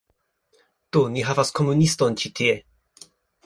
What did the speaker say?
Do, ni havas komuniston ĉi tie